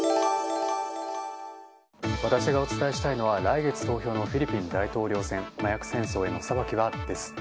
私がお伝えしたいのは来月投票のフィリピン大統領選麻薬戦争への裁きは？です。